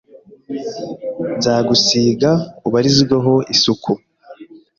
Nzagusiga ubarizweho isuku